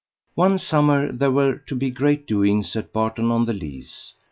One summer there were to be great doings at Barton on the Lees.